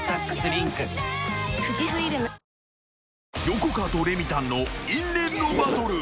［横川とレミたんの因縁のバトル］